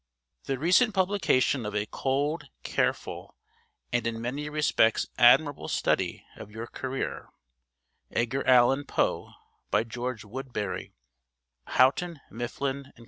The recent publication of a cold, careful, and in many respects admirable study of your career ('Edgar Allan Poe,' by George Woodberry: Houghton, Mifflin and Co.